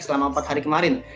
selama empat hari kemarin